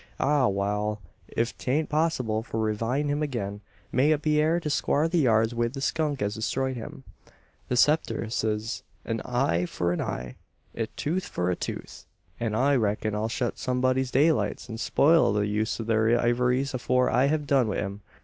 Ah, wal! ef t'aint possible to ree vive him agin, may be it air to squar the yards wi' the skunk as destroyed him. The Scripter sez, `a eye for a eye, an a tooth for a tooth,' an I reckin I'll shet up somebody's daylights, an spoil the use o' thur ivories afore I hev done wi' him.